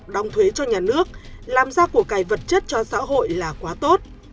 đóng thuế cho nhà nước làm ra của cải vật chất cho xã hội là quá tốt